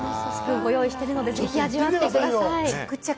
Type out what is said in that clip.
ご用意しているので、ぜひ味わってください。